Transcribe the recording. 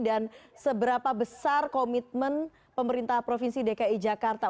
dan seberapa besar komitmen pemerintah provinsi dki jakarta